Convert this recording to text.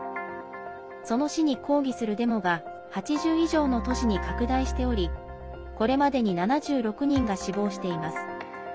その死に抗議するデモが８０以上の都市に拡大しておりこれまでに７６人が死亡しています。